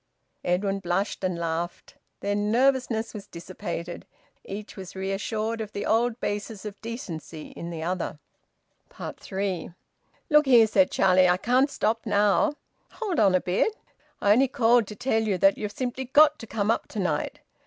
Edwin blushed and laughed. Their nervousness was dissipated. Each was reassured of the old basis of `decency' in the other. THREE. "Look here," said Charlie. "I can't stop now." "Hold on a bit." "I only called to tell you that you've simply got to come up to night."